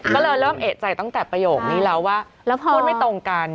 ก็เลยเริ่มเอกใจตั้งแต่ประโยคนี้แล้วว่าพูดไม่ตรงกัน